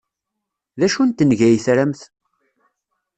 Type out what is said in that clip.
D acu n tenga ay tramt?